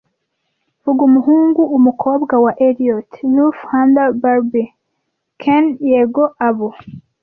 Vuga umuhungu / umukobwa wa Eliot / Ruth Handler Barbie / Ken yego abo